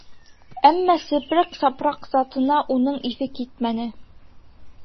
Әммә сепрәк-сапраҡ затына уның иҫе китмәне.